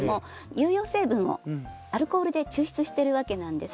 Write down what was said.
有用成分をアルコールで抽出してるわけなんです。